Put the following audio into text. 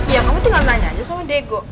ya kamu tinggal nanya aja sama diego